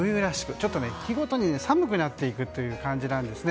ちょっと日ごとに寒くなっていく感じなんですね。